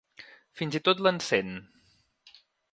Fins i tot l'encén.